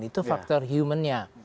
itu faktor human nya